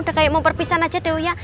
udah kayak mau perpisahan aja deh uya